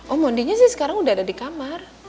oh mondinya sih sekarang udah ada di kamar